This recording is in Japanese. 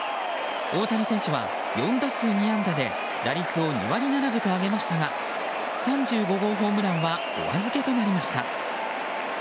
大谷選手は４打数２安打で打率を２割７分と上げましたが３５号ホームランはおあずけとなりました。